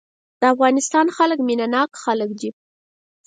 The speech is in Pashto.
د افغانستان خلک مينه ناک خلک دي.